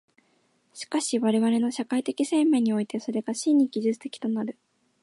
しかし我々の社会的生命において、それが真に技術的となる。